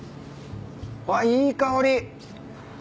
うわいい香り！